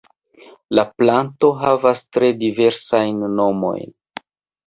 La planto havas tre diversajn nomojn.